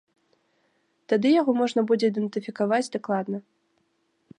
Тады яго можна будзе ідэнтыфікаваць дакладна.